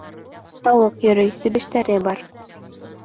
Тауыҡ йөрөй, себештәре бар.